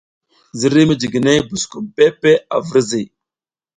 Ziriy mijiginey buskum peʼe peʼe a virzi.